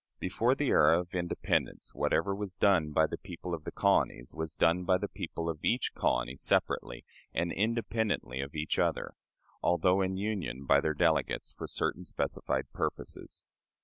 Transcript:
Before the era of independence, whatever was done by the people of the colonies was done by the people of each colony separately and independently of each other, although in union by their delegates for certain specified purposes.